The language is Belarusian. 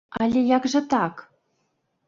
Але як жа так?